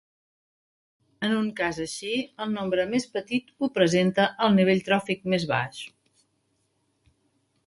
En un cas així el nombre més petit ho presenta el nivell tròfic més baix.